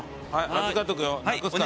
預かっとくよなくすから。